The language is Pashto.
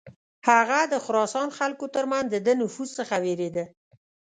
هغه د خراسان خلکو تر منځ د ده نفوذ څخه ویرېده.